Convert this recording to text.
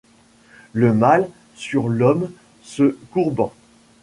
Le mal, sur l’homme se courbant ?